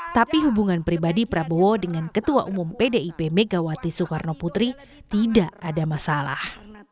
tapi hubungan pribadi prabowo dengan ketua umum pdip megawati soekarno putri tidak ada masalah